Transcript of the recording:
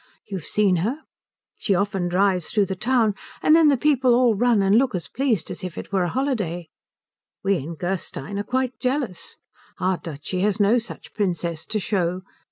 You have seen her? She often drives through the town, and then the people all run and look as pleased as if it were a holiday. We in Gerstein are quite jealous. Our duchy has no such princess to show.